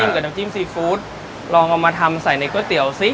กับน้ำจิ้มซีฟู้ดลองเอามาทำใส่ในก๋วยเตี๋ยวซิ